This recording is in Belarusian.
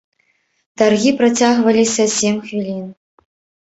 Таргі працягваліся сем хвілін.